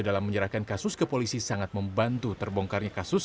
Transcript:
dalam menyerahkan kasus ke polisi sangat membantu terbongkarnya kasus